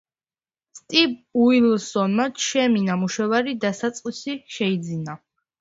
სტივ უილსონმა ჩემი ნამუშევარი „დასაწყისი“ შეიძინა.